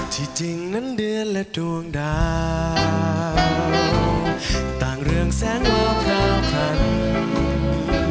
ที่จริงนั้นเดือนและดวงดาวต่างเรื่องแสงวาคราวคัน